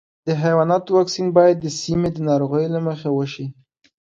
د حیواناتو واکسین باید د سیمې د ناروغیو له مخې وشي.